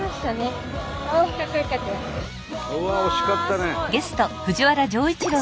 うわっ惜しかったね。